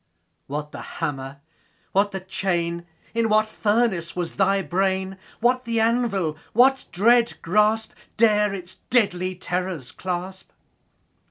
What the hammer? what the chain? In what furnace was thy brain? What the anvil? What dread grasp 15 Dare its deadly terrors clasp?